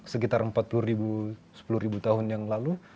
sekitar empat puluh sepuluh tahun yang lalu